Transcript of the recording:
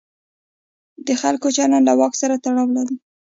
د خلکو چلند له واک سره تړاو لري.